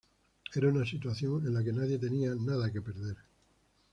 Era una situación en la que nadie tenía nada que perder.